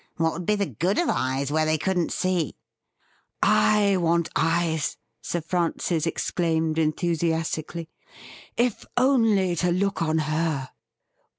What would be the good of eyes where they couldn't see .?'* I want eyes,' Sir Francis exclaimed enthusiastically, ' if only to look on her